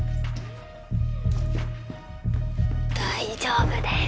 大丈夫です。